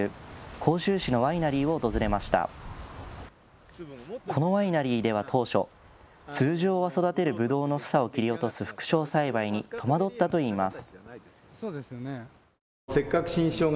このワイナリーでは当初、通常は育てるぶどうの房を切り落とす副梢栽培に戸惑ったといいます。